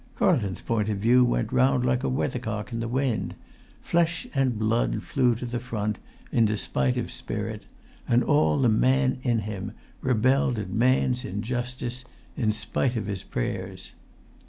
Carlton's point of view went round like a weathercock in the wind; flesh and blood flew to the front, in despite of spirit; and all the man in him rebelled at man's injustice, in despite of his prayers.